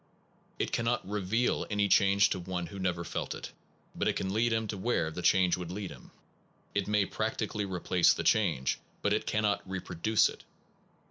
It cannot reveal any change to one who never felt it, but it can lead him to where the change would lead him. It may practically re place the change, but it cannot reproduce it.